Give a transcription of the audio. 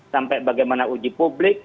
sampai bagaimana uji publik